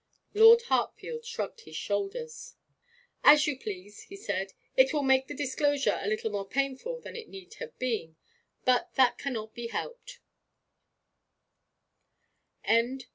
Lord Hartfield shrugged his shoulders. 'As you please,' he said. 'It will make the disclosure a little more painful than it need have been; but that cannot be helped.'